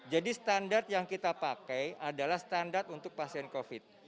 jadi standar yang kita pakai adalah standar untuk pasien covid